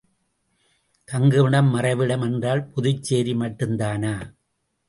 தங்குமிடம் மறைவிடம் என்றால் புதுச்சேரி மட்டுந்தானா?